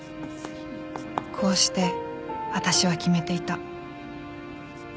こうして私は決めていた。